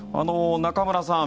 中村さん